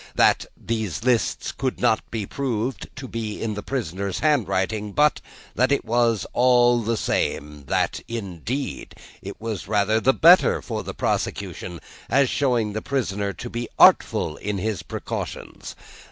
That, these lists could not be proved to be in the prisoner's handwriting; but that it was all the same; that, indeed, it was rather the better for the prosecution, as showing the prisoner to be artful in his precautions.